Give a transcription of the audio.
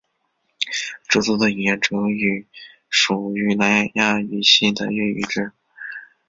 哲族的语言哲语属于南亚语系的越语支。